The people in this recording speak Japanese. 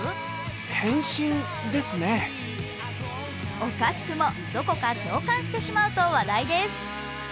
おかしくもどこか共感してしまうと話題です。